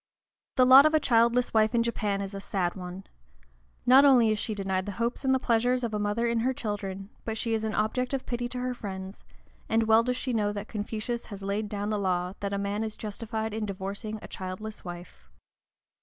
The lot of a childless wife in Japan is a sad one. Not only is she denied the hopes and the pleasures of a mother in her children, but she is an object of pity to her friends, and well does she know that Confucius has laid down the law that a man is justified in divorcing a childless wife.